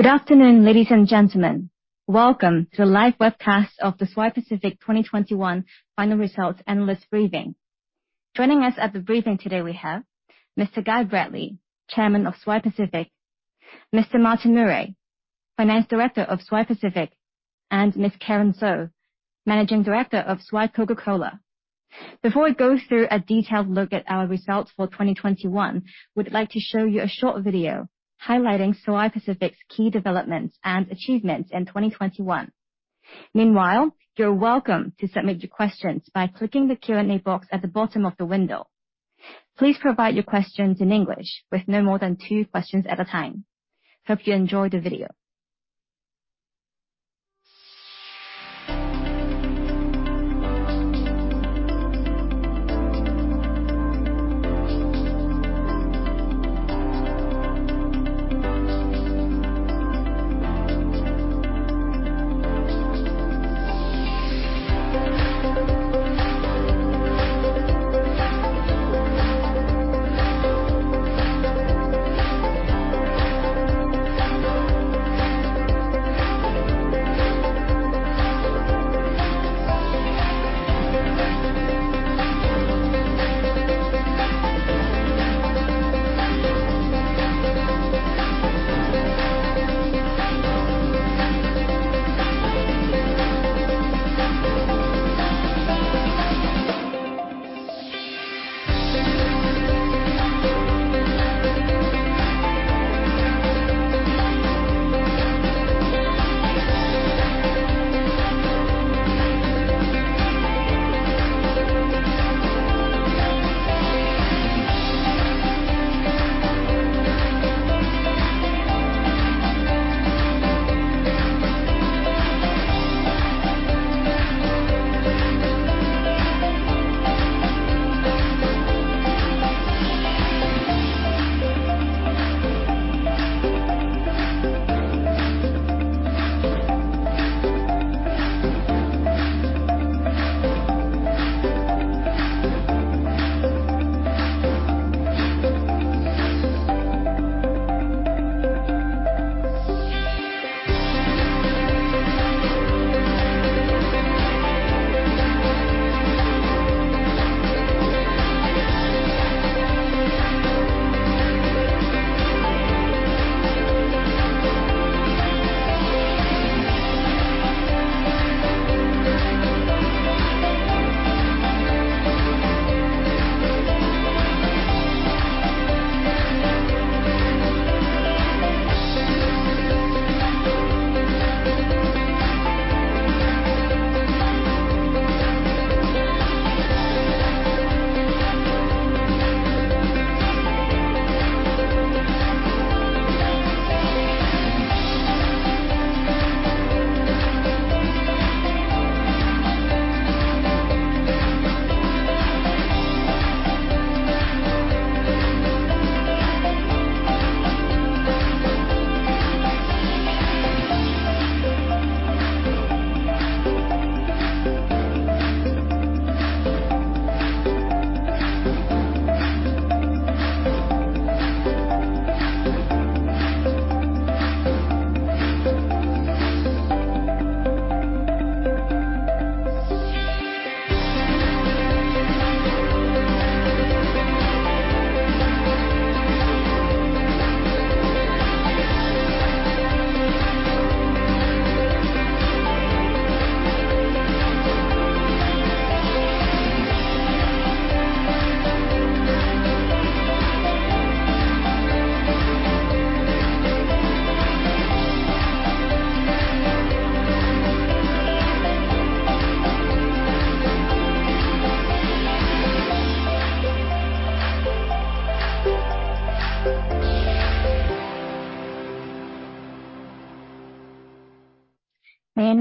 Good afternoon, ladies and gentlemen. Welcome to the live webcast of the Swire Pacific 2021 Final Results Analyst Briefing. Joining us at the briefing today we have Mr. Guy Bradley, Chairman of Swire Pacific, Mr. Martin Murray, Finance Director of Swire Pacific, and Ms. Karen So, Managing Director of Swire Coca-Cola. Before we go through a detailed look at our results for 2021, we'd like to show you a short video highlighting Swire Pacific's key developments and achievements in 2021. Meanwhile, you're welcome to submit your questions by clicking the Q&A box at the bottom of the window. Please provide your questions in English with no more than two questions at a time. Hope you enjoy the video.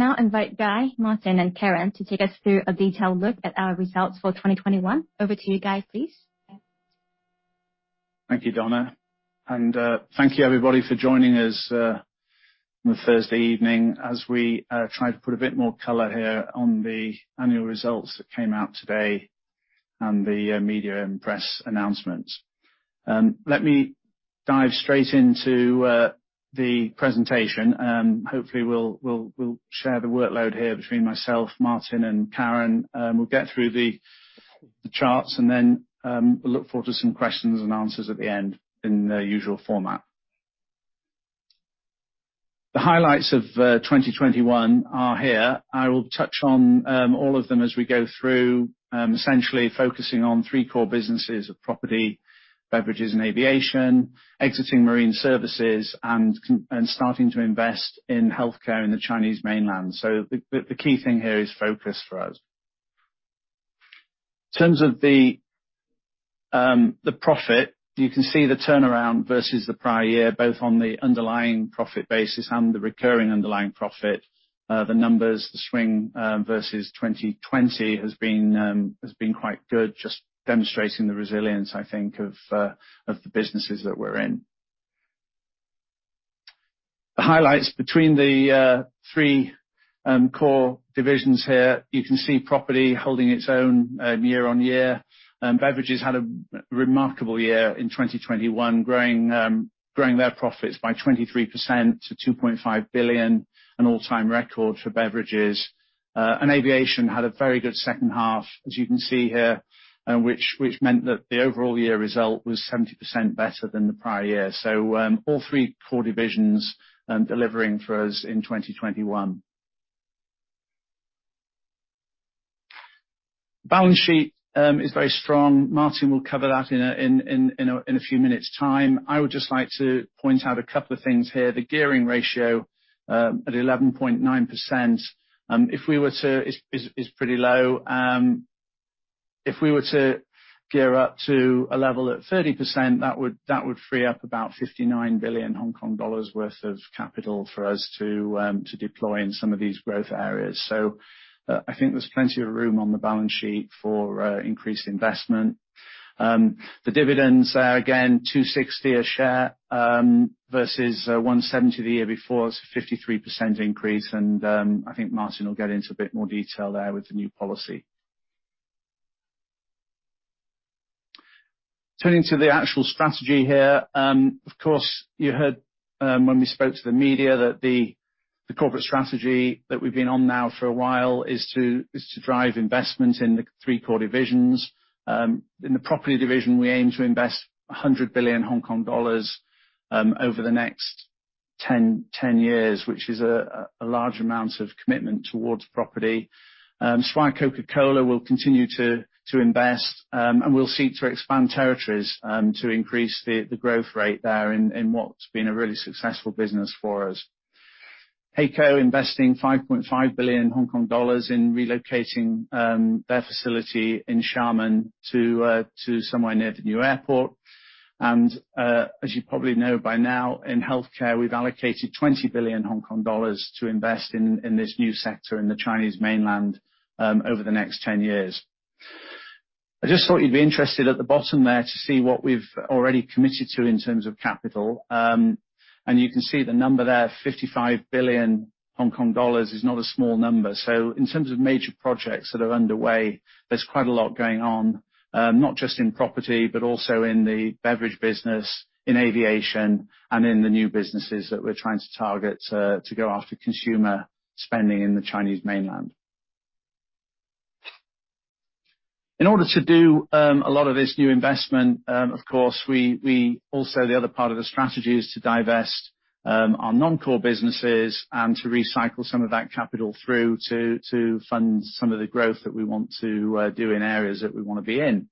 May I now invite Guy, Martin, and Karen to take us through a detailed look at our results for 2021. Over to you, Guy, please. Thank you, Donna. Thank you, everybody, for joining us on a Thursday evening as we try to put a bit more color here on the annual results that came out today and the media and press announcements. Let me dive straight into the presentation. Hopefully we'll share the workload here between myself, Martin, and Karen. We'll get through the charts and then we'll look forward to some questions and answers at the end in the usual format. The highlights of 2021 are here. I will touch on all of them as we go through, essentially focusing on three core businesses of property, beverages and aviation, exiting marine services, and starting to invest in healthcare in the Chinese mainland. The key thing here is focus for us. In terms of the profit, you can see the turnaround versus the prior year, both on the underlying profit basis and the recurring underlying profit. The numbers, the swing, versus 2020 has been quite good, just demonstrating the resilience, I think, of the businesses that we're in. The highlights between the three core divisions here. You can see property holding its own, year-on-year. Beverages had a remarkable year in 2021, growing their profits by 23% to 2.5 billion, an all-time record for beverages. Aviation had a very good second half, as you can see here, which meant that the overall year result was 70% better than the prior year. All three core divisions, delivering for us in 2021. Balance sheet is very strong. Martin will cover that in a few minutes time. I would just like to point out a couple of things here. The gearing ratio at 11.9% is pretty low. If we were to gear up to a level at 30%, that would free up about 59 billion Hong Kong dollars worth of capital for us to deploy in some of these growth areas. I think there's plenty of room on the balance sheet for increased investment. The dividends there, again, 2.60 a share, versus 1.70 the year before. It's a 53% increase, and I think Martin will get into a bit more detail there with the new policy. Turning to the actual strategy here. Of course, you heard when we spoke to the media that the corporate strategy that we've been on now for a while is to drive investment in the three core divisions. In the property division, we aim to invest 100 billion Hong Kong dollars over the next 10 years, which is a large amount of commitment towards property. Swire Coca-Cola will continue to invest and will seek to expand territories to increase the growth rate there in what's been a really successful business for us. HAECO investing 5.5 billion Hong Kong dollars in relocating their facility in Xiamen to somewhere near the new airport. As you probably know by now, in healthcare, we've allocated 20 billion Hong Kong dollars to invest in this new sector in the Chinese mainland over the next 10 years. I just thought you'd be interested at the bottom there to see what we've already committed to in terms of capital. You can see the number there, 55 billion Hong Kong dollars is not a small number. In terms of major projects that are underway, there's quite a lot going on, not just in property, but also in the beverage business, in aviation, and in the new businesses that we're trying to target to go after consumer spending in the Chinese mainland. In order to do a lot of this new investment, of course, we also, the other part of the strategy is to divest our non-core businesses and to recycle some of that capital through to fund some of the growth that we want to do in areas that we wanna be in.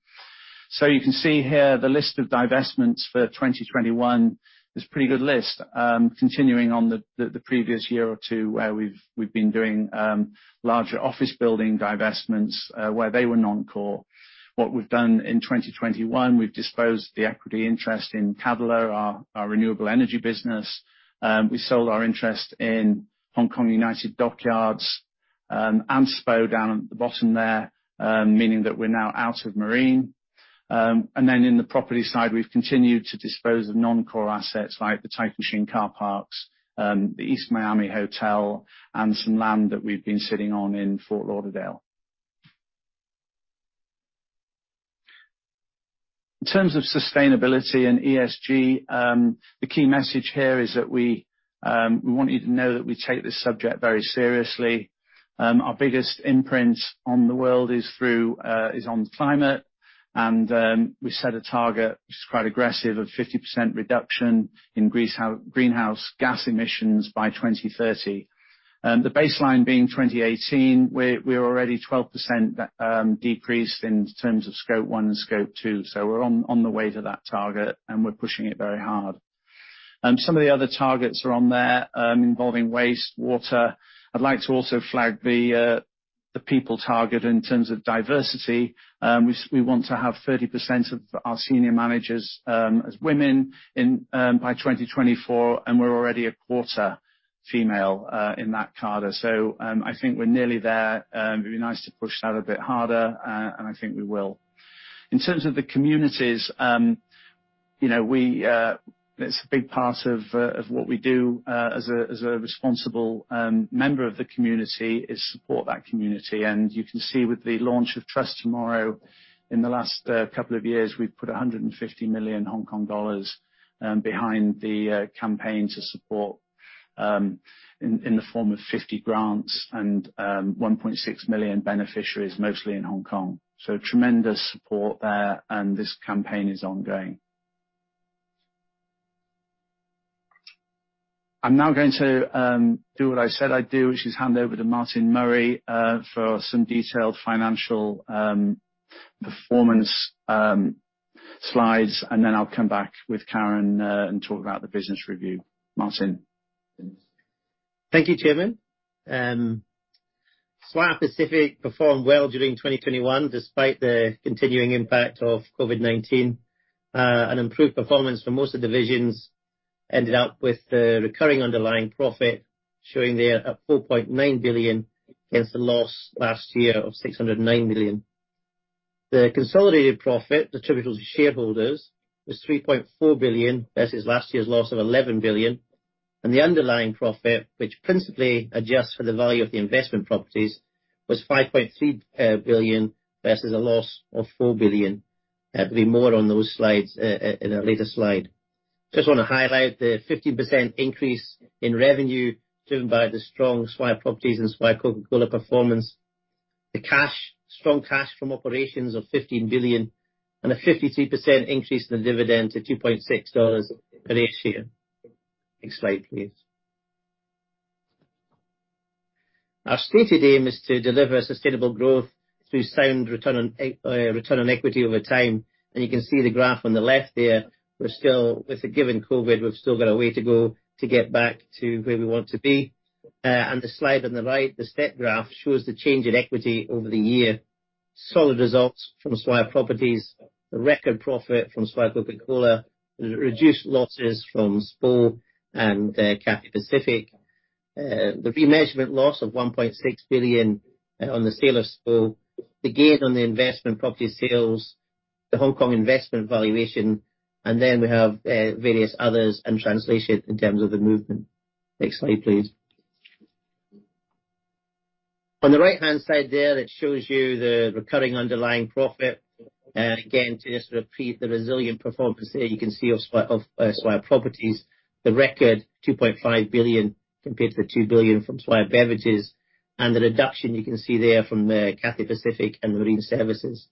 You can see here the list of divestments for 2021. It's a pretty good list. Continuing on the previous year or two where we've been doing larger office building divestments, where they were non-core. What we've done in 2021, we've disposed the equity interest in Cadeler, our renewable energy business. We sold our interest in Hongkong United Dockyards. SPO down at the bottom there, meaning that we're now out of marine. In the property side, we've continued to dispose of non-core assets like the Tai Kwun car parks, the EAST Miami hotel, and some land that we've been sitting on in Fort Lauderdale. In terms of sustainability and ESG, the key message here is that we want you to know that we take this subject very seriously. Our biggest imprint on the world is on climate. We set a target, which is quite aggressive, of 50% reduction in greenhouse gas emissions by 2030. The baseline being 2018, we're already 12% decreased in terms of Scope 1 and Scope 2. We're on the way to that target, and we're pushing it very hard. Some of the other targets are on there, involving wastewater. I'd like to also flag the people target in terms of diversity. We want to have 30% of our senior managers as women by 2024, and we're already a quarter female in that cadre. I think we're nearly there. It'd be nice to push that a bit harder, and I think we will. In terms of the communities, you know, it's a big part of what we do as a responsible member of the community is support that community. You can see with the launch of TrustTomorrow, in the last couple of years, we've put 150 million Hong Kong dollars behind the campaign to support in the form of 50 grants and 1.6 million beneficiaries, mostly in Hong Kong. Tremendous support there, and this campaign is ongoing. I'm now going to do what I said I'd do, which is hand over to Martin Murray for some detailed financial performance slides, and then I'll come back with Karen and talk about the business review. Martin? Thank you, Chairman. Swire Pacific performed well during 2021 despite the continuing impact of COVID-19. An improved performance for most of the divisions ended up with the recurring underlying profit showing there at 4.9 billion against a loss last year of 609 million. The consolidated profit attributable to shareholders was 3.4 billion versus last year's loss of 11 billion. The underlying profit, which principally adjusts for the value of the investment properties, was 5.3 billion versus a loss of 4 billion. There'll be more on those slides in a later slide. Just wanna highlight the 15% increase in revenue driven by the strong Swire Properties and Swire Coca-Cola performance. The strong cash from operations of 15 billion and a 53% increase in the dividend to 2.6 dollars per share. Next slide, please. Our stated aim is to deliver sustainable growth through sound return on equity over time. You can see the graph on the left there, we're still given COVID, we've still got a way to go to get back to where we want to be. The slide on the right, the step graph, shows the change in equity over the year. Solid results from Swire Properties. The record profit from Swire Coca-Cola. Reduced losses from SPO and Cathay Pacific. The remeasurement loss of 1.6 billion on the sale of SPO. The gain on the investment property sales, the Hong Kong investment valuation, and then we have, various others and translation in terms of the movement. Next slide, please. On the right-hand side there, that shows you the recurring underlying profit. Again, to just repeat the resilient performance there, you can see of Swire Properties, the record 2.5 billion compared to the 2 billion from Swire Beverages. The reduction you can see there from Cathay Pacific and Marine Services.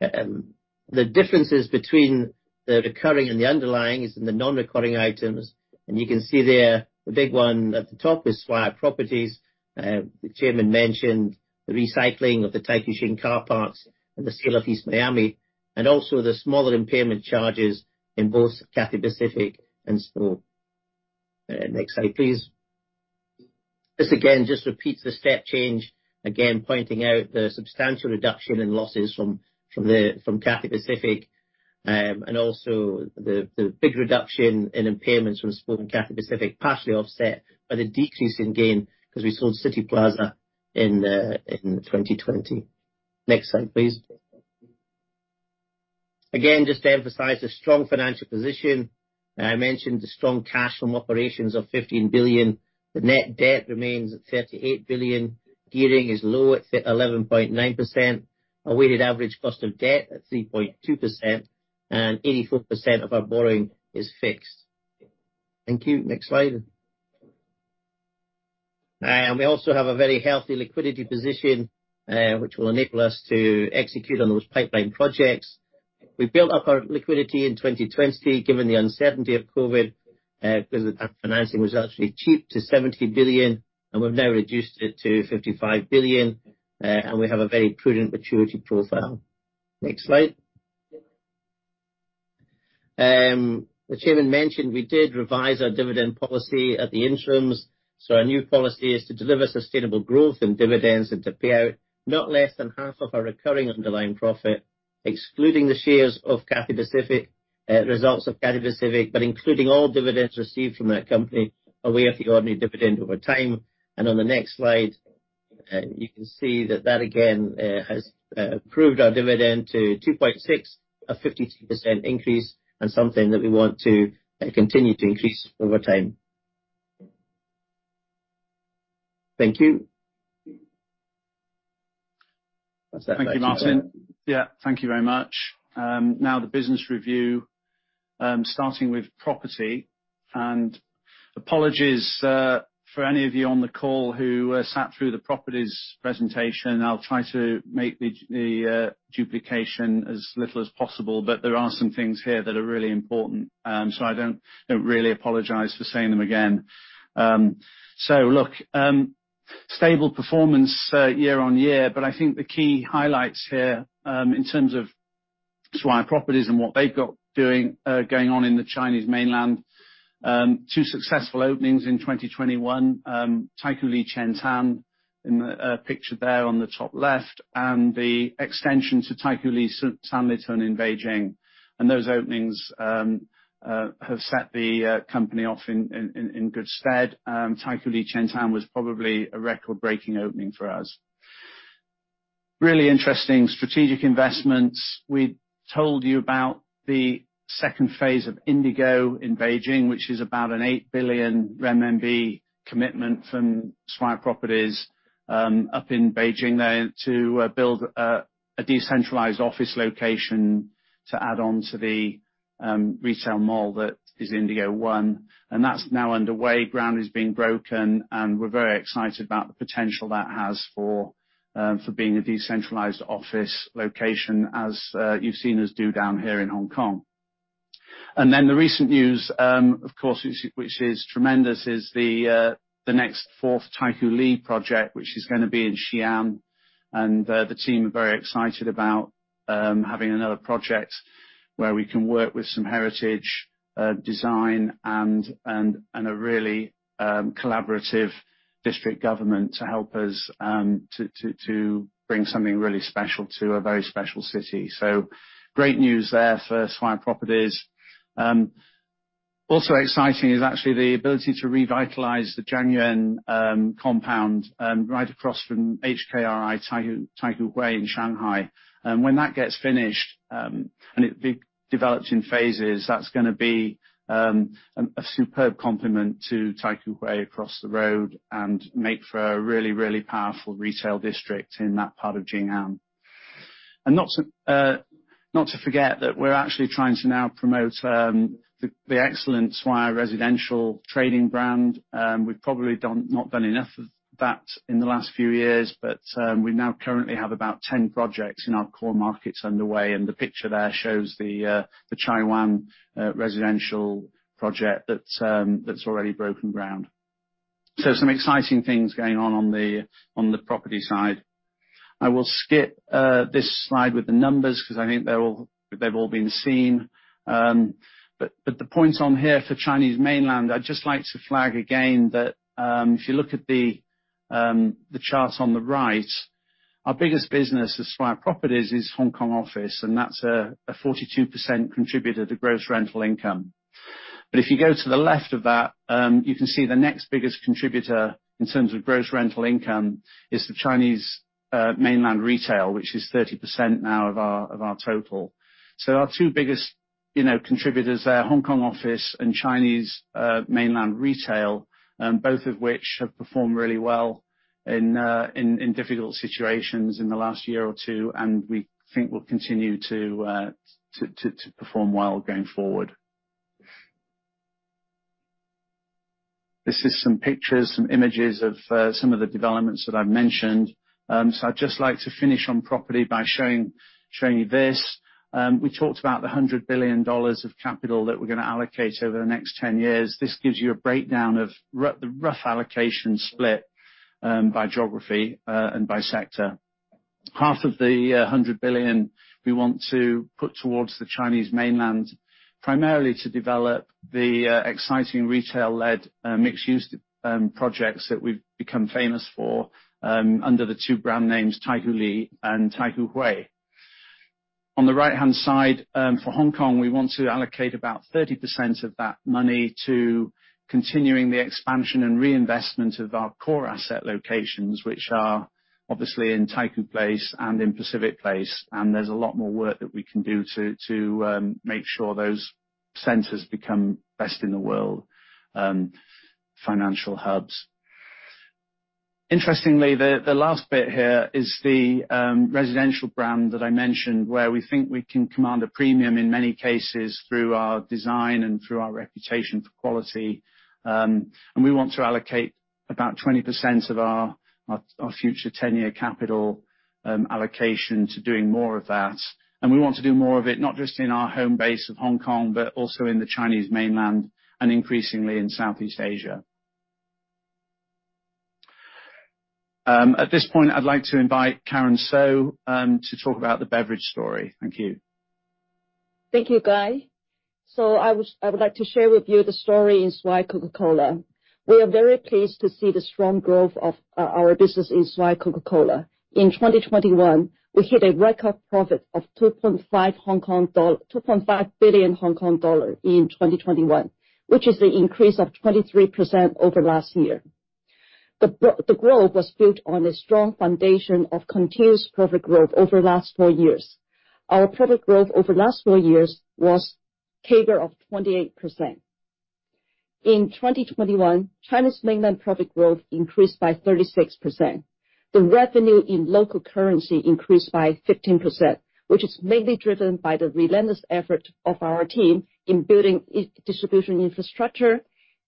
The differences between the recurring and the underlying is in the non-recurring items, and you can see there the big one at the top is Swire Properties. The chairman mentioned the recycling of the Taikoo Shing car parks and the sale of EAST Miami, and also the smaller impairment charges in both Cathay Pacific and SPO. Next slide, please. This again just repeats the step change, again, pointing out the substantial reduction in losses from Cathay Pacific, and also the big reduction in impairments from SPO and Cathay Pacific, partially offset by the decrease in gain 'cause we sold Cityplaza in 2020. Next slide, please. Again, just to emphasize the strong financial position, I mentioned the strong cash from operations of 15 billion. The net debt remains at 38 billion. Gearing is low at 11.9%. Our weighted average cost of debt at 3.2%, and 84% of our borrowing is fixed. Thank you. Next slide. We also have a very healthy liquidity position, which will enable us to execute on those pipeline projects. We built up our liquidity in 2020, given the uncertainty of COVID-19, because our financing was actually cheap to 70 billion, and we've now reduced it to 55 billion. We have a very prudent maturity profile. Next slide. The chairman mentioned we did revise our dividend policy at the interims, so our new policy is to deliver sustainable growth in dividends and to pay out not less than half of our recurring underlying profit, excluding the results of Cathay Pacific, but including all dividends received from that company as part of the ordinary dividend over time. On the next slide, you can see that again has raised our dividend to 2.6, a 52% increase, and something that we want to continue to increase over time. Thank you. That's that. Thank you, Martin. Yeah. Thank you very much. Now the business review, starting with property. Apologies for any of you on the call who sat through the properties presentation. I'll try to make the duplication as little as possible, but there are some things here that are really important. So I don't really apologize for saying them again. So look, stable performance year-on-year, but I think the key highlights here in terms of Swire Properties and what they've got doing going on in the Chinese mainland, two successful openings in 2021, Taikoo Li Qiantan in the picture there on the top left, and the extension to Taikoo Li Sanlitun in Beijing. Those openings have set the company off in good stead. Taikoo Li Qiantan was probably a record-breaking opening for us. Really interesting strategic investments. We told you about the second phase of INDIGO in Beijing, which is about an 8 billion RMB commitment from Swire Properties, up in Beijing there to build a decentralized office location to add on to the retail mall that is ONE INDIGO, and that's now underway. Ground is being broken, and we're very excited about the potential that has for being a decentralized office location, as you've seen us do down here in Hong Kong. The recent news, of course, which is tremendous, is the next fourth Taikoo Li project, which is gonna be in Xi'an. The team are very excited about having another project where we can work with some heritage design and a really collaborative district government to help us to bring something really special to a very special city. Great news there for Swire Properties. Also exciting is actually the ability to revitalize the Zhangyuan compound right across from HKRI Taikoo Hui in Shanghai. When that gets finished and it be developed in phases, that's gonna be a superb complement to Taikoo Hui across the road and make for a really really powerful retail district in that part of Jing'an. Not to forget that we're actually trying to now promote the excellent Swire residential trading brand. We've probably not done enough of that in the last few years, but we now currently have about 10 projects in our core markets underway, and the picture there shows the Chai Wan residential project that's already broken ground. Some exciting things going on the property side. I will skip this slide with the numbers because I think they've all been seen. The points on here for mainland China, I'd just like to flag again that if you look at the charts on the right, our biggest business as Swire Properties is Hong Kong office, and that's a 42% contributor to gross rental income. If you go to the left of that, you can see the next biggest contributor in terms of gross rental income is the Chinese mainland retail, which is 30% now of our total. Our two biggest, you know, contributors are Hong Kong office and Chinese mainland retail, both of which have performed really well in difficult situations in the last year or two, and we think will continue to perform well going forward. This is some pictures, some images of some of the developments that I've mentioned. I'd just like to finish on property by showing you this. We talked about the $100 billion of capital that we're gonna allocate over the next 10 years. This gives you a breakdown of the rough allocation split, by geography, and by sector. Half of the 100 billion we want to put towards the Chinese Mainland, primarily to develop the exciting retail-led mixed-use projects that we've become famous for, under the two brand names, Taikoo Li and Taikoo Hui. On the right-hand side, for Hong Kong, we want to allocate about 30% of that money to continuing the expansion and reinvestment of our core asset locations, which are obviously in Taikoo Place and in Pacific Place, and there's a lot more work that we can do to make sure those centers become best in the world financial hubs. Interestingly, the last bit here is the residential brand that I mentioned, where we think we can command a premium in many cases through our design and through our reputation for quality. We want to allocate about 20% of our future 10-year capital allocation to doing more of that. We want to do more of it not just in our home base of Hong Kong, but also in the Chinese Mainland and increasingly in Southeast Asia. At this point I'd like to invite Karen So to talk about the beverage story. Thank you. Thank you, Guy. I would like to share with you the story in Swire Coca-Cola. We are very pleased to see the strong growth of our business in Swire Coca-Cola. In 2021, we hit a record profit of 2.5 billion Hong Kong dollar in 2021, which is an increase of 23% over last year. The growth was built on a strong foundation of continuous profit growth over the last four years. Our profit growth over the last four years was CAGR of 28%. In 2021, China's Mainland profit growth increased by 36%. The revenue in local currency increased by 15%, which is mainly driven by the relentless effort of our team in building distribution infrastructure,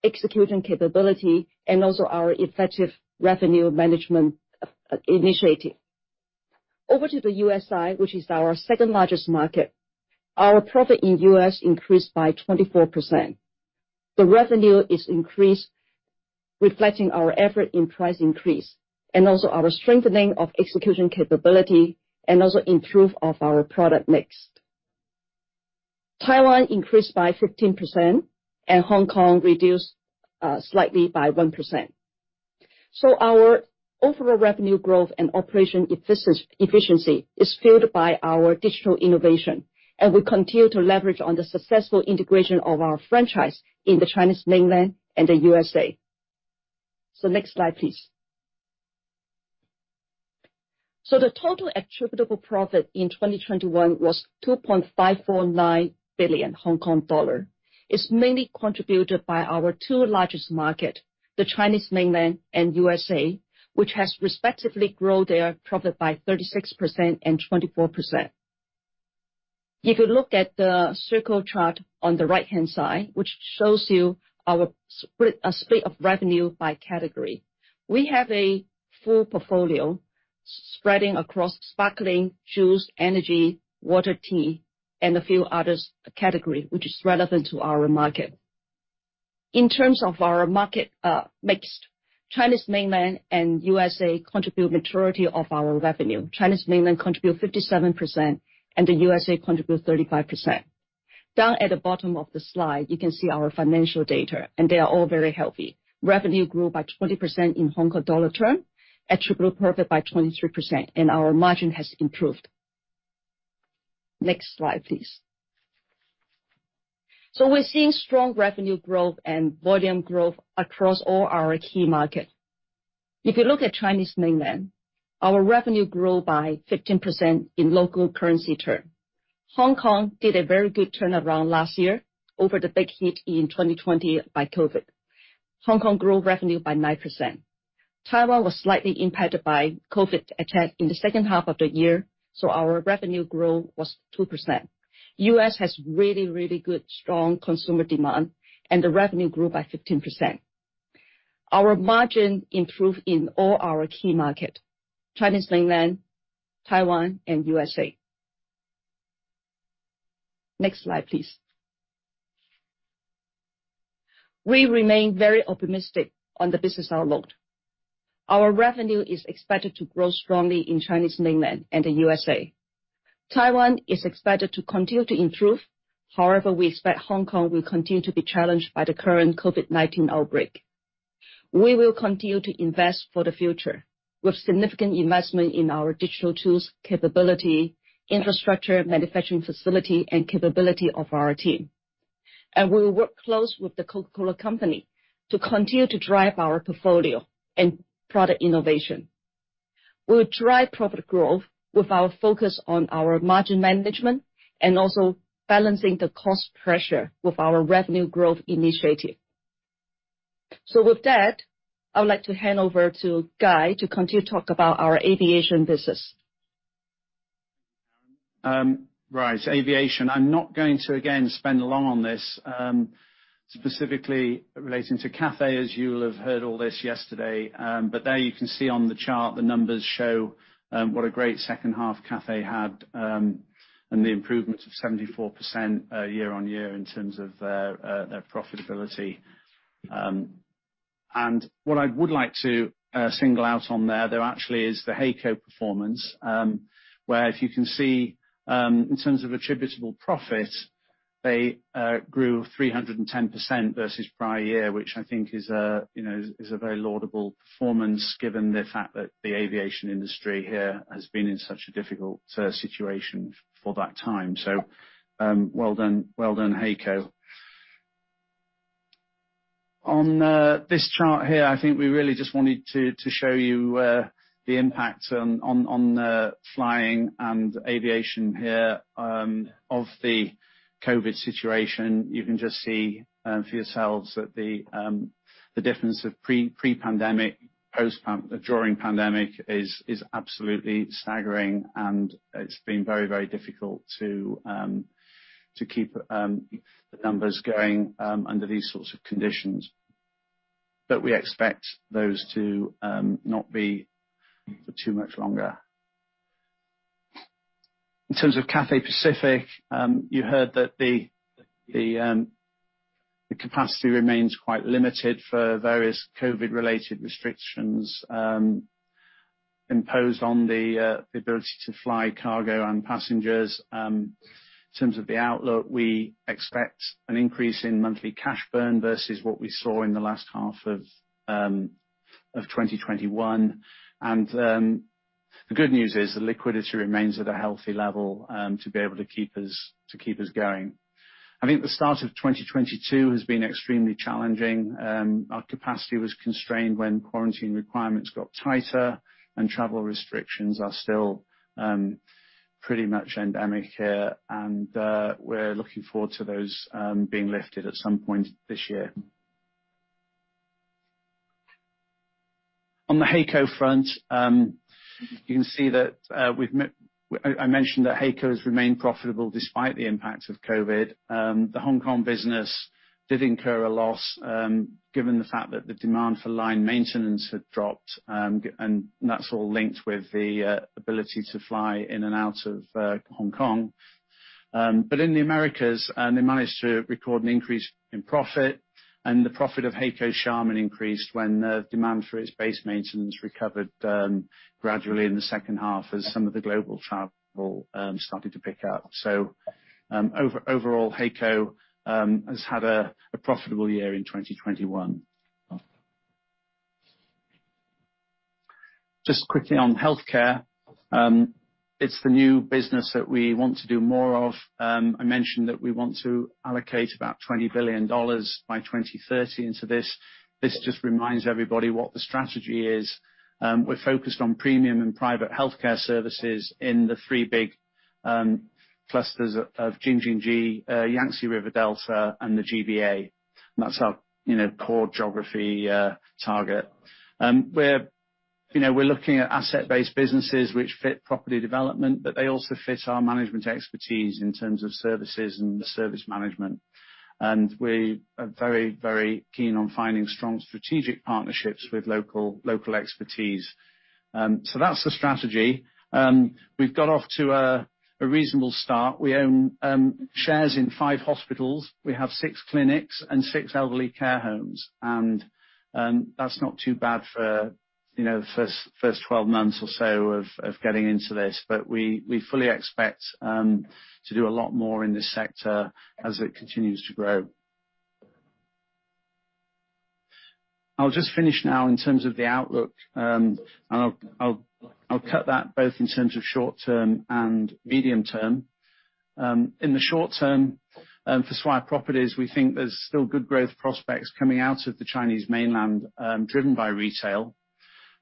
executing capability, and also our effective revenue management initiative. Over to the U.S. side, which is our second-largest market, our profit in the U.S. increased by 24%. The revenue increased, reflecting our effort in price increase and also our strengthening of execution capability and also improvement of our product mix. Taiwan increased by 15%, and Hong Kong reduced slightly by 1%. Our overall revenue growth and operational efficiency is fueled by our digital innovation, and we continue to leverage on the successful integration of our franchise in the Chinese Mainland and the U.S.A.. Next slide, please. The total attributable profit in 2021 was 2.549 billion Hong Kong dollar, mainly contributed by our two largest markets, the Chinese Mainland and the U.S.A., which have respectively grown their profit by 36% and 24%. You could look at the circle chart on the right-hand side, which shows you our split, a split of revenue by category. We have a full portfolio spreading across sparkling, juice, energy, water, tea, and a few others category which is relevant to our market. In terms of our market mix, Chinese Mainland and U.S.A. contribute majority of our revenue. Chinese Mainland contribute 57% and the U.S.A contribute 35%. Down at the bottom of the slide, you can see our financial data, and they are all very healthy. Revenue grew by 20% in Hong Kong dollar term, attributable profit by 23%, and our margin has improved. Next slide, please. We're seeing strong revenue growth and volume growth across all our key market. If you look at Chinese Mainland, our revenue grew by 15% in local currency term. Hong Kong did a very good turnaround last year over the big hit in 2020 by COVID-19. Hong Kong grew revenue by 9%. Taiwan was slightly impacted by COVID-19 attack in the second half of the year, so our revenue growth was 2%. U.S. has really, really good, strong consumer demand, and the revenue grew by 15%. Our margin improved in all our key market, Chinese Mainland, Taiwan, and U.S.A.. Next slide, please. We remain very optimistic on the business outlook. Our revenue is expected to grow strongly in Chinese Mainland and the U.S. Taiwan is expected to continue to improve. However, we expect Hong Kong will continue to be challenged by the current COVID-19 outbreak. We will continue to invest for the future with significant investment in our digital tools capability, infrastructure, manufacturing facility, and capability of our team. We will work closely with The Coca-Cola Company to continue to drive our portfolio and product innovation. We will drive profit growth with our focus on our margin management and also balancing the cost pressure with our revenue growth initiative. With that, I would like to hand over to Guy to continue to talk about our aviation business. Right. Aviation. I'm not going to, again, spend long on this, specifically relating to Cathay, as you'll have heard all this yesterday. There you can see on the chart the numbers show what a great second half Cathay had, and the improvements of 74% year-on-year in terms of their profitability. What I would like to single out on there actually is the HAECO performance, where if you can see, in terms of attributable profit, they grew 310% versus prior year, which I think is a, you know, is a very laudable performance given the fact that the aviation industry here has been in such a difficult situation for that time. Well done. Well done, HAECO. On this chart here, I think we really just wanted to show you the impact on flying and aviation here of the COVID situation. You can just see for yourselves that the difference of pre-pandemic, during pandemic is absolutely staggering, and it's been very difficult to keep the numbers going under these sorts of conditions. We expect those to not be for too much longer. In terms of Cathay Pacific, you heard that the capacity remains quite limited for various COVID-related restrictions imposed on the ability to fly cargo and passengers. In terms of the outlook, we expect an increase in monthly cash burn versus what we saw in the last half of 2021. The good news is the liquidity remains at a healthy level to keep us going. I think the start of 2022 has been extremely challenging. Our capacity was constrained when quarantine requirements got tighter and travel restrictions are still pretty much endemic here. We're looking forward to those being lifted at some point this year. On the HAECO front, you can see that we've mentioned that HAECO has remained profitable despite the impact of COVID. The Hong Kong business did incur a loss given the fact that the demand for line maintenance had dropped and that's all linked with the ability to fly in and out of Hong Kong. In the Americas, they managed to record an increase in profit and the profit of HAECO Xiamen increased when the demand for its base maintenance recovered gradually in the second half as some of the global travel started to pick up. Overall, HAECO has had a profitable year in 2021. Just quickly on healthcare, it's the new business that we want to do more of. I mentioned that we want to allocate about $20 billion by 2030 into this. This just reminds everybody what the strategy is. We're focused on premium and private healthcare services in the three big clusters of Jing-Jin-Ji, Yangtze River Delta, and the GBA. That's our, you know, core geography target. We're looking at asset-based businesses which fit property development, but they also fit our management expertise in terms of services and service management. We are very, very keen on finding strong strategic partnerships with local expertise. That's the strategy. We've got off to a reasonable start. We own shares in five hospitals. We have six clinics and six elderly care homes. That's not too bad for, you know, the first 12 months or so of getting into this. We fully expect to do a lot more in this sector as it continues to grow. I'll just finish now in terms of the outlook, and I'll cut that both in terms of short-term and medium term. In the short term, for Swire Properties, we think there's still good growth prospects coming out of the Chinese mainland, driven by retail.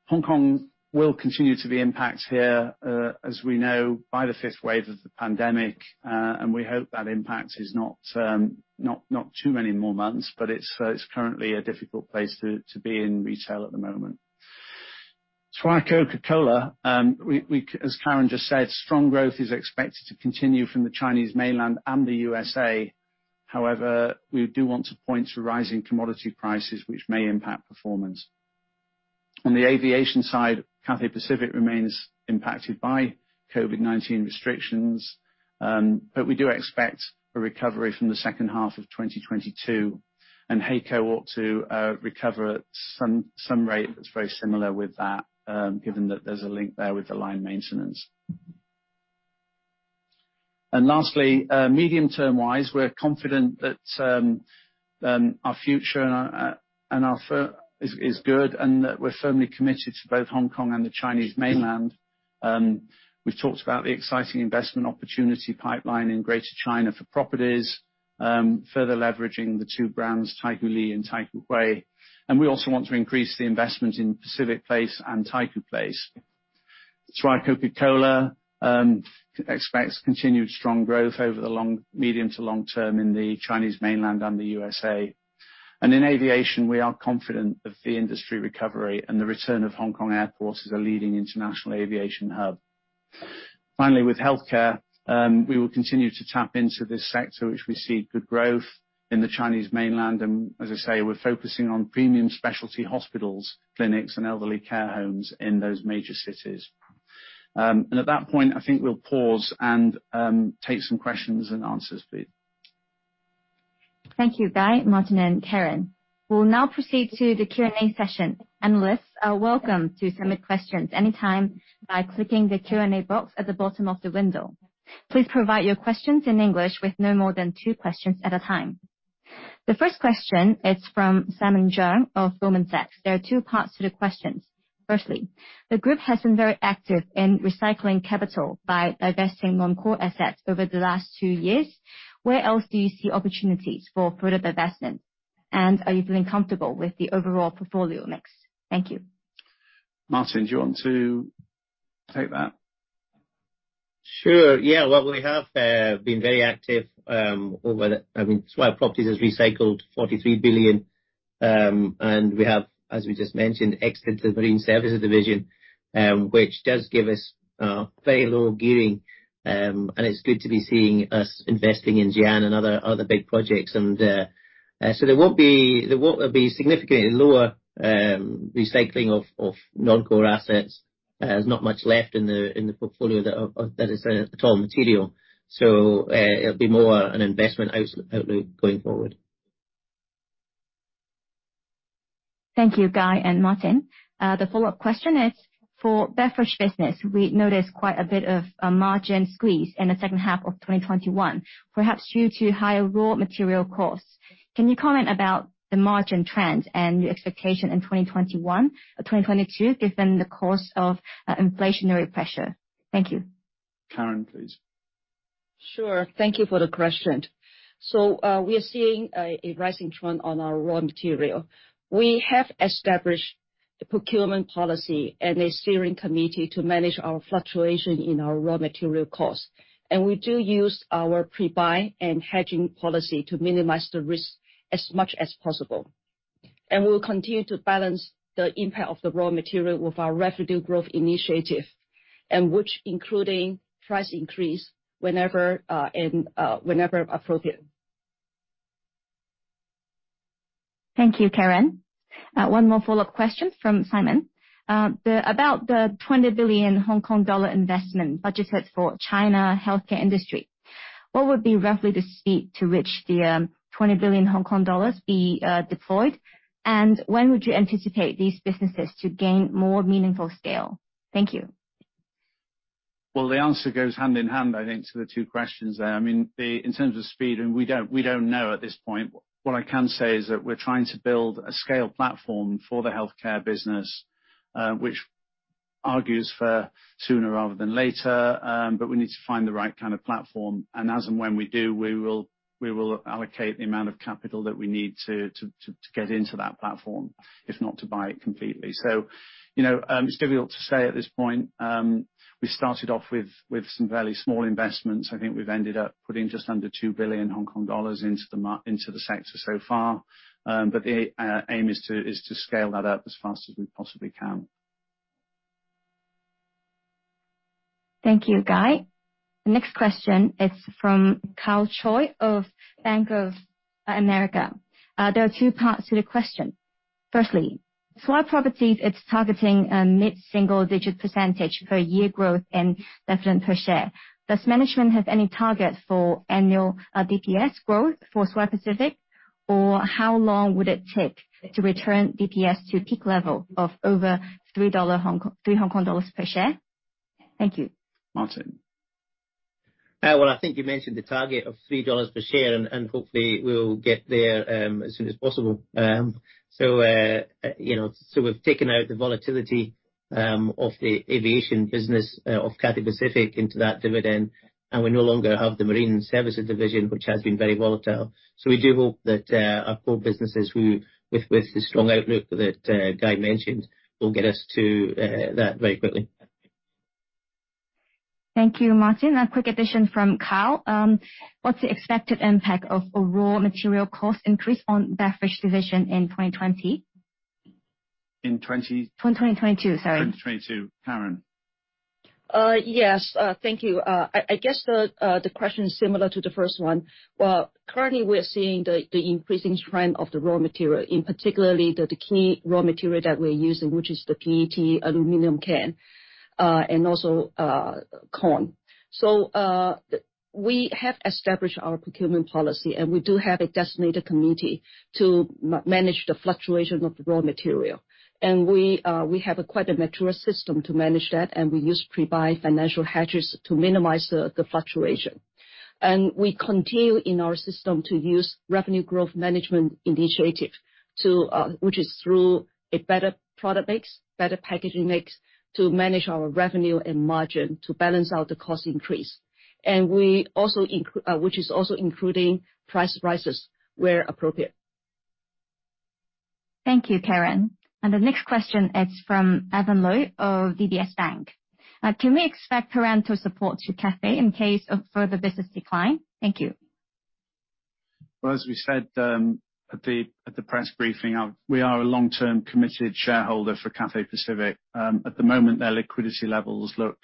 Hong Kong will continue to be impacted here, as we know, by the fifth wave of the pandemic. We hope that impact is not too many more months, but it's currently a difficult place to be in retail at the moment. Swire Coca-Cola, as Karen just said, strong growth is expected to continue from the Chinese mainland and the U.S.A.. However, we do want to point to rising commodity prices which may impact performance. On the aviation side, Cathay Pacific remains impacted by COVID-19 restrictions, but we do expect a recovery from the second half of 2022, and HAECO ought to recover at some rate that's very similar with that, given that there's a link there with the line maintenance. Lastly, medium term-wise, we're confident that our future and our firm is good, and that we're firmly committed to both Hong Kong and the Chinese mainland. We've talked about the exciting investment opportunity pipeline in Greater China for properties, further leveraging the two brands, Taikoo Li and Taikoo Hui. We also want to increase the investment in Pacific Place and Taikoo Place. Swire Coca-Cola expects continued strong growth over the long, medium to long term in the Chinese mainland and the U.S.A.. In aviation, we are confident of the industry recovery and the return of Hong Kong Airport as a leading international aviation hub. Finally, with healthcare, we will continue to tap into this sector, which we see good growth in the Chinese mainland, and as I say, we're focusing on premium specialty hospitals, clinics and elderly care homes in those major cities. At that point, I think we'll pause and take some questions and answers please. Thank you, Guy, Martin, and Karen. We'll now proceed to the Q&A session. Analysts are welcome to submit questions anytime by clicking the Q&A box at the bottom of the window. Please provide your questions in English with no more than two questions at a time. The first question is from Simon Zhang of Goldman Sachs. There are two parts to the questions. Firstly, the group has been very active in recycling capital by divesting non-core assets over the last two years. Where else do you see opportunities for further divestment? And are you feeling comfortable with the overall portfolio mix? Thank you. Martin, do you want to take that? Sure. Yeah. Well, we have been very active. I mean, Swire Properties has recycled 43 billion, and we have, as we just mentioned, exited the marine services division, which does give us very low gearing. It's good to be seeing us investing in Xi'an and other big projects. There won't be significantly lower recycling of non-core assets. There's not much left in the portfolio that is at all material. It'll be more an investment outlook going forward. Thank you, Guy and Martin. The follow-up question is for beverage business. We noticed quite a bit of a margin squeeze in the second half of 2021, perhaps due to higher raw material costs. Can you comment about the margin trends and your expectation in 2021 or 2022, given the course of inflationary pressure? Thank you. Karen, please. Sure. Thank you for the question. We are seeing a rising trend on our raw material. We have established a procurement policy and a steering committee to manage our fluctuation in our raw material costs, and we do use our pre-buy and hedging policy to minimize the risk as much as possible. We will continue to balance the impact of the raw material with our revenue growth initiative, and which including price increase whenever appropriate. Thank you, Karen. One more follow-up question from Simon. About the 20 billion Hong Kong dollar investment budgeted for China healthcare industry, what would be roughly the speed to which the 20 billion Hong Kong dollars be deployed? And when would you anticipate these businesses to gain more meaningful scale? Thank you. Well, the answer goes hand in hand, I think, to the two questions there. I mean, in terms of speed, we don't know at this point. What I can say is that we're trying to build a scale platform for the healthcare business, which argues for sooner rather than later. We need to find the right kind of platform, and as and when we do, we will allocate the amount of capital that we need to get into that platform, if not to buy it completely. You know, it's difficult to say at this point. We started off with some fairly small investments. I think we've ended up putting just under 2 billion Hong Kong dollars into the sector so far. The aim is to scale that up as fast as we possibly can. Thank you, Guy. The next question is from Kyle Choi of Bank of America. There are two parts to the question. Firstly, Swire Properties is targeting a mid-single-digit percentage for year growth and dividend per share. Does management have any target for annual DPS growth for Swire Pacific? Or how long would it take to return DPS to peak level of over 3 dollar per share? Thank you. Martin. I think you mentioned the target of 3 dollars per share, and hopefully we'll get there as soon as possible. You know, we've taken out the volatility of the aviation business of Cathay Pacific into that dividend, and we no longer have the marine services division, which has been very volatile. We do hope that our core businesses with the strong outlook that Guy mentioned will get us to that very quickly. Thank you, Martin. A quick addition from Kyle. What's the expected impact of a raw material cost increase on beverage division in 2020? In 20? 2022, sorry. 2022. Karen. Yes. Thank you. I guess the question is similar to the first one. Well, currently we're seeing the increasing trend of the raw material, in particular the key raw material that we're using, which is the PET aluminum can and also corn. We have established our procurement policy, and we do have a designated committee to manage the fluctuation of the raw material. We have quite a mature system to manage that, and we use pre-buy financial hedges to minimize the fluctuation. We continue in our system to use revenue growth management initiative, which is through a better product mix, better packaging mix to manage our revenue and margin to balance out the cost increase, which is also including price rises where appropriate. Thank you, Karen. The next question is from Evan Lui of DBS Bank. Can we expect parental support to Cathay in case of further business decline? Thank you. Well, as we said, at the press briefing, we are a long-term committed shareholder for Cathay Pacific. At the moment, their liquidity levels look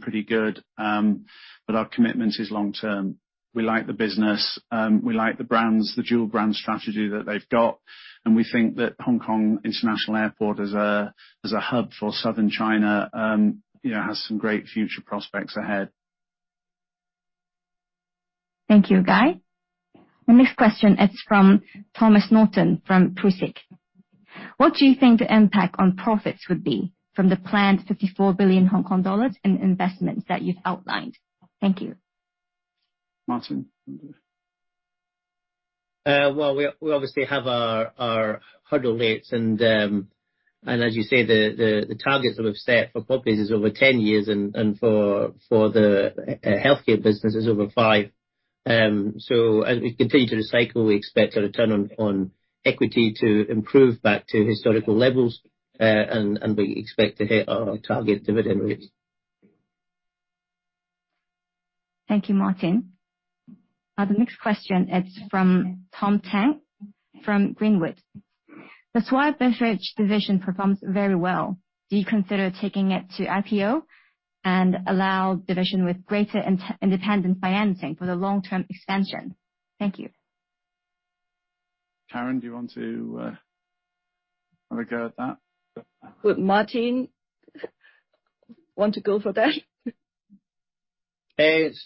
pretty good. But our commitment is long-term. We like the business. We like the brands, the dual brand strategy that they've got. We think that Hong Kong International Airport as a hub for Southern China, you know, has some great future prospects ahead. Thank you, Guy. The next question is from Thomas Naughton from Prusik. What do you think the impact on profits would be from the planned 54 billion Hong Kong dollars in investments that you've outlined? Thank you. Martin. Well, we obviously have our hurdle rates. As you say, the targets that we've set for properties is over 10 years and for the healthcare business is over five. As we continue to recycle, we expect our return on equity to improve back to historical levels, and we expect to hit our target dividend rates. Thank you, Martin. The next question is from Tom Tang from Greenwood. The Swire Beverages division performs very well. Do you consider taking it to IPO and allow division with greater independence financing for the long-term expansion? Thank you. Karen, do you want to have a go at that? Martin, want to go for that?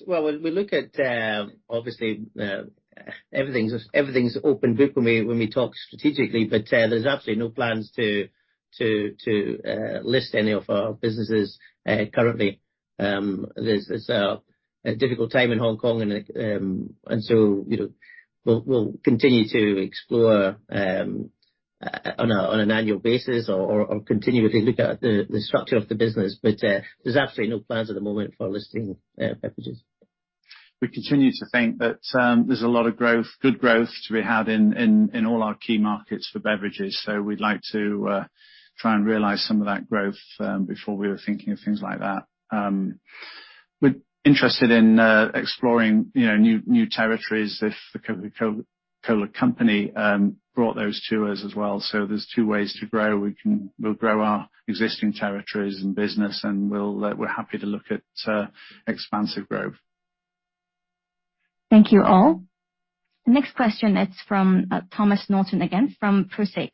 Well, when we look at, obviously, everything's open book when we talk strategically, but there's absolutely no plans to list any of our businesses currently. There's a difficult time in Hong Kong and so, you know, we'll continue to explore on an annual basis or continually look at the structure of the business. There's absolutely no plans at the moment for listing beverages. We continue to think that there's a lot of growth, good growth to be had in all our key markets for beverages. We'd like to try and realize some of that growth before we were thinking of things like that. We're interested in exploring, you know, new territories if the Coca-Cola Company brought those to us as well. There's two ways to grow. We'll grow our existing territories and business, and we're happy to look at expansive growth. Thank you, all. The next question is from Thomas Naughton again from Prusik.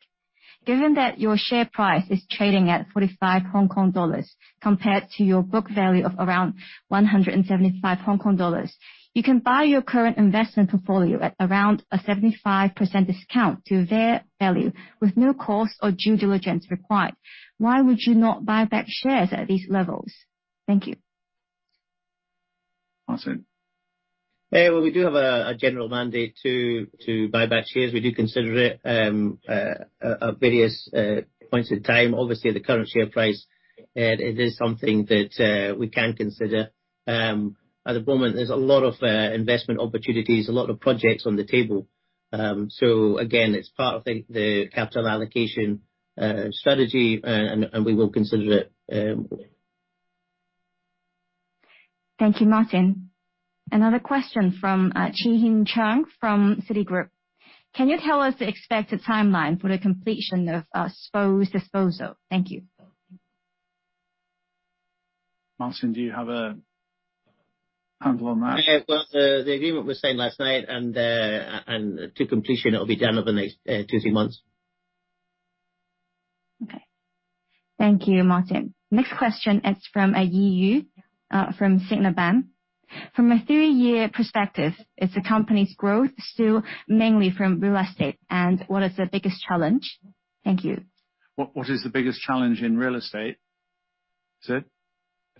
Given that your share price is trading at 45 Hong Kong dollars compared to your book value of around 175 Hong Kong dollars, you can buy your current investment portfolio at around a 75% discount to their value with no cost or due diligence required. Why would you not buy back shares at these levels? Thank you. Martin. Well, we do have a general mandate to buy back shares. We do consider it at various points in time. Obviously, at the current share price, it is something that we can consider. At the moment, there's a lot of investment opportunities, a lot of projects on the table. Again, it's part of the capital allocation strategy, and we will consider it. Thank you, Martin. Another question from Chi-Hin Chang from Citigroup. Can you tell us the expected timeline for the completion of SPO's disposal? Thank you. Martin, do you have a handle on that? Well, the agreement was signed last night, and to completion, it'll be done over the next two, three months. Okay. Thank you, Martin. Next question is from Ayi Yu from Citibank. From a three-year perspective, is the company's growth still mainly from real estate, and what is the biggest challenge? Thank you. What is the biggest challenge in real estate? Is it?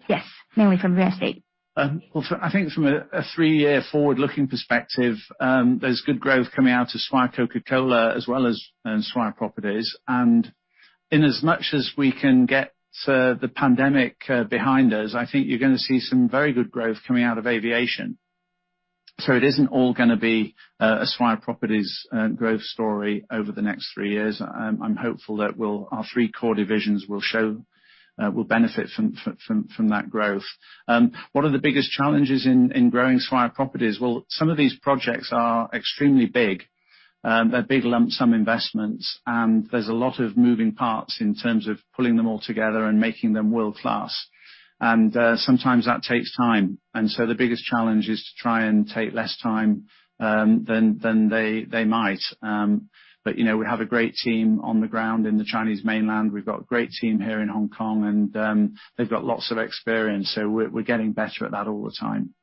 Yes. Mainly from real estate. Well, I think from a three-year forward-looking perspective, there's good growth coming out of Swire Coca-Cola as well as Swire Properties. Inasmuch as we can get the pandemic behind us, I think you're gonna see some very good growth coming out of aviation. It isn't all gonna be a Swire Properties growth story over the next three years. I'm hopeful that our three core divisions will benefit from that growth. One of the biggest challenges in growing Swire Properties, well, some of these projects are extremely big. They're big lump sum investments, and there's a lot of moving parts in terms of pulling them all together and making them world-class. Sometimes that takes time. The biggest challenge is to try and take less time than they might. You know, we have a great team on the ground in the Chinese mainland. We've got a great team here in Hong Kong, and they've got lots of experience. We're getting better at that all the time.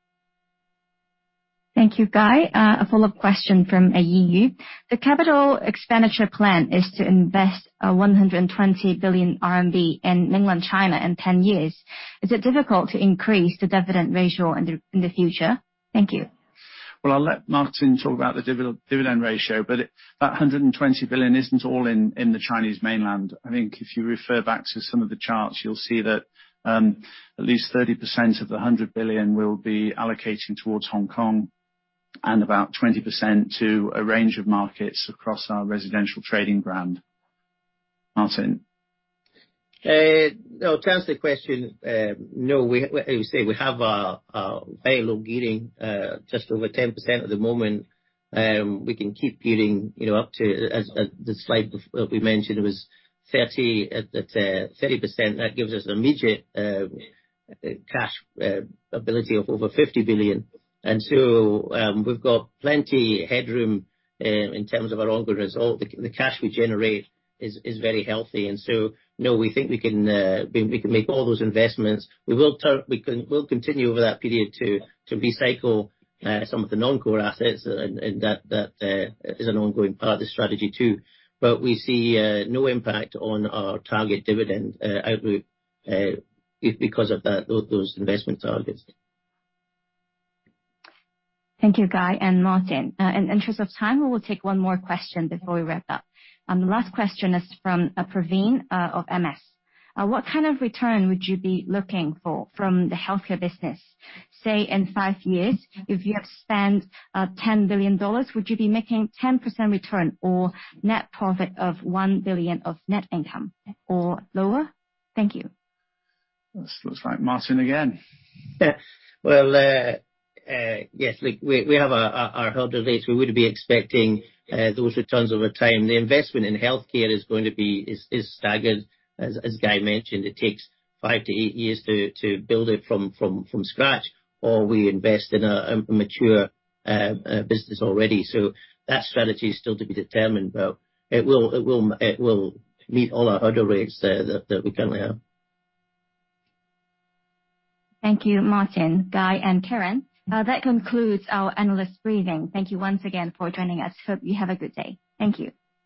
Thank you, Guy. A follow-up question from Ayi Yu. The capital expenditure plan is to invest 120 billion RMB in Mainland China in 10 years. Is it difficult to increase the dividend ratio in the future? Thank you. Well, I'll let Martin talk about the dividend ratio, but that 120 billion isn't all in the Chinese mainland. I think if you refer back to some of the charts, you'll see that at least 30% of the 100 billion will be allocating towards Hong Kong and about 20% to a range of markets across our residential trading brand. Martin? To answer the question, no, we say we have a very low gearing, just over 10% at the moment. We can keep gearing, you know, up to, as the slide we mentioned, it was 30%. At the 30%, that gives us immediate cash ability of over 50 billion. We've got plenty headroom in terms of our ongoing result. The cash we generate is very healthy. No, we think we can, we can make all those investments. We'll continue over that period to recycle some of the non-core assets, and that is an ongoing part of the strategy too. We see no impact on our target dividend outlook, if because of that, those investment targets. Thank you, Guy and Martin. In the interest of time, we will take one more question before we wrap up. The last question is from Praveen of MS. What kind of return would you be looking for from the healthcare business? Say, in five years, if you have spent 10 billion dollars, would you be making 10% return or net profit of 1 billion of net income or lower? Thank you. This looks like Martin again. Well, yes. We have our hurdle rates. We would be expecting those returns over time. The investment in healthcare is going to be staggered. As Guy mentioned, it takes five to eight years to build it from scratch, or we invest in a mature business already. That strategy is still to be determined. It will meet all our hurdle rates there that we currently have. Thank you, Martin, Guy, and Karen. That concludes our analyst briefing. Thank you once again for joining us. Hope you have a good day. Thank you.